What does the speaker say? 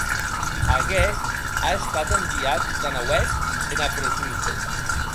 Aguest a estat enviat de nauèth ena preson.